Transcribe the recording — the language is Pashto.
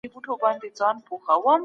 تاسو باید خپل مالونه په ښه لاره مصرف کړئ.